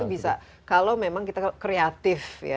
bisa kalau memang kita kreatif ya